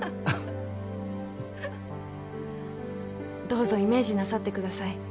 どうぞイメージなさってください